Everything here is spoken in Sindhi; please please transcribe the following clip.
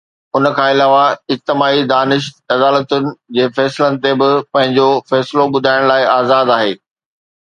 ان کان علاوه، اجتماعي دانش عدالتن جي فيصلن تي به پنهنجو فيصلو ٻڌائڻ لاءِ آزاد آهي.